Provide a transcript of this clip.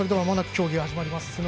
まもなく競技が始まります。